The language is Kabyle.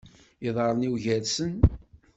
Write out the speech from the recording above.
Iḍarren-iw gersen.